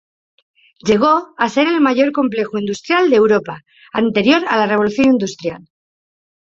Llegó a ser el mayor complejo industrial de Europa anterior a la Revolución Industrial.